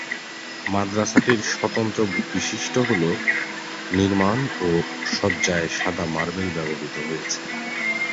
মাদ্রাসাটির স্বতন্ত্র বিশিষ্ট হল নির্মাণ ও সজ্জায় সাদা মার্বেল ব্যবহৃত হয়েছে।